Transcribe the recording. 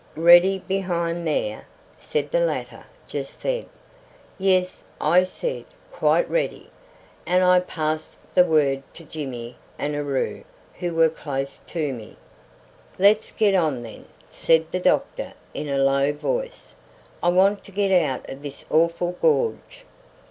"Ready behind there?" said the latter just then. "Yes," I said, "quite ready;" and I passed the word to Jimmy and Aroo, who were close to me. "Let's get on then," said the doctor in a low voice. "I want to get out of this awful gorge."